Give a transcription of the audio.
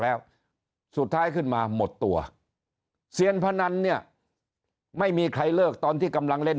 แล้วสุดท้ายขึ้นมาหมดตัวเซียนพนันเนี่ยไม่มีใครเลิกตอนที่กำลังเล่น